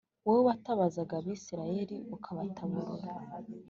wowe watabazaga Abisirayeli ukabataburura